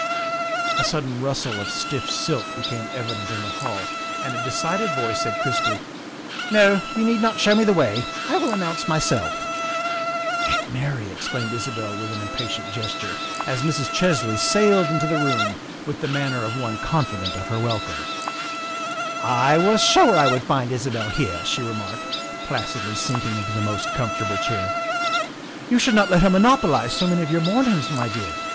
A sudden rustle of stiff silk became evident in the hall and a decided voice said crisply: '' No, you need not show me the way. I will announce myself. '' "Aunt Mary," exclaimed Isabel with an impatient gesture as Mrs. Chesley sailed into the room with the manner of one confident of her welcome. '' I was sure I would find Isabel here, '' she remarked, placidly sinking into the most comfortable chair. " You should not let her monopolize so many of your morn ings, my dear.